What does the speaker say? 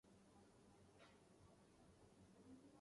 corona کے مریضوں کی تعداد میں کمی آنی شروع ہو گئی ہے